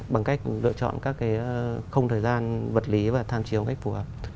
bằng cách lựa chọn các cái không thời gian vật lý và tham chiếu cách phù hợp